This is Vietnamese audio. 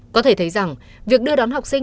có thể thấy rằng việc đưa đón học sinh